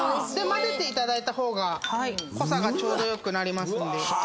混ぜていただいた方が濃さがちょうどよくなります。